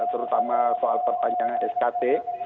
terutama soal pertanian skt